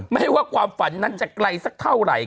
ไม่ให้ว่าความฝันนั้นจะไกลสักเท่าไหร่